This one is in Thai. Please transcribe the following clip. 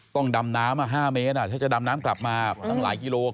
ต้องดำน้ำ๕เมตรถ้าจะดำน้ำกลับมาตั้งหลายกิโล